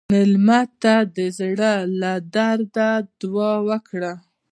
مېلمه ته د زړه له درده دعا ورکړه.